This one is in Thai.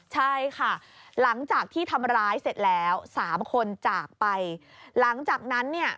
หลังจากนั้น